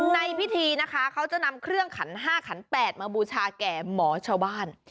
ในพิธีนะคะเขาจะนำเครื่องขัน๕ขัน๘มาบูชาแก่หมอชาวบ้าน